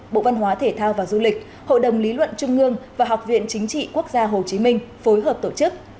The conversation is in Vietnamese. bộ văn hóa thể thao và du lịch hội đồng lý luận trung ương và học viện chính trị quốc gia hồ chí minh phối hợp tổ chức